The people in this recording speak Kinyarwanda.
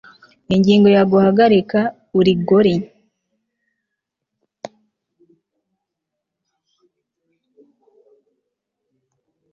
ingingo ya guhagarika urigori